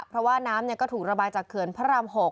เพราะว่าน้ำก็ถูกระบายจากเขื่อนพระราม๖